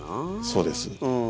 そうです。